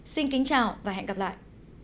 xin kính chào và hẹn gặp lại